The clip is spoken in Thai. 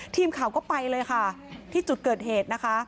ทีมข่าวก็ไปเลยค่ะที่จุดเกิดเหตุนะคะ